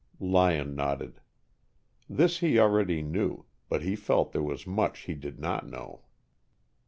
Lyon nodded. This he already knew, but he felt there was much he did not know.